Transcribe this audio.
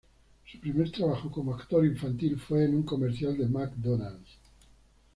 Su primer trabajo como actor infantil fue en un comercial de McDonald’s.